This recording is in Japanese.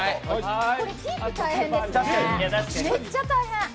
これ、キープ大変ですね、めっちゃ大変。